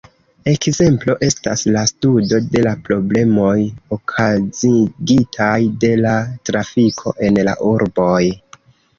Ekzemplo estas la studo de la problemoj okazigitaj de la trafiko en la urboj.